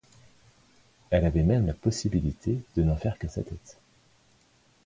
Elle avait même la possibilité de n’en faire qu'à sa tête.